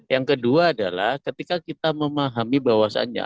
yang kedua adalah ketika kita memahami bahwasannya